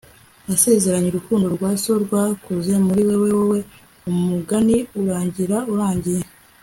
nasezeranye urukundo rwa so, rwakuze muri wewe. wowe umugani urangira urangiye